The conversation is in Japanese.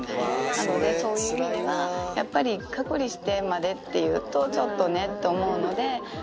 なので、そういう意味ではやっぱり隔離してまでっていうと、ちょっとねと思うので。